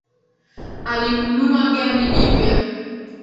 Alinunua gari jipya